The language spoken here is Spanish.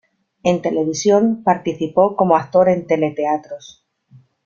En televisión participó como actor de Teleteatros.